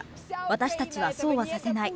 私たちはそうはさせない。